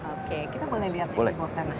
oke kita mulai lihat di bawah tanah